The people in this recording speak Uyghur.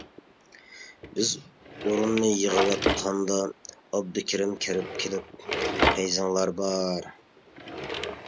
بىز ئورۇننى يىغىۋاتقاندا ئابدۇكېرىم كىرىپ كېلىپ:-پەيزىڭلار بار!